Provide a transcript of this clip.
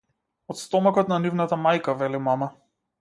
Од стомакот на нивната мајка, вели мама.